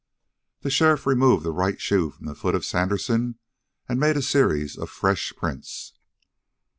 The sheriff removed the right shoe from the foot of Sandersen and made a series of fresh prints.